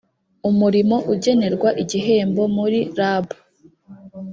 umurimo ugenerwa igihembo muri rab